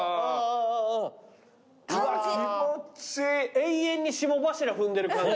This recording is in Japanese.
永遠に霜柱踏んでる感じ。